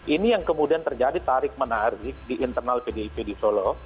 ini yang kemudian terjadi tarik menarik di internal pdip di solo